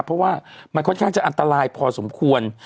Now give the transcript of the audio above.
เพราะว่ามันค่อนข้างจะอันตรายพอสมควร